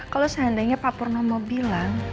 kalau seandainya pak purnomo bilang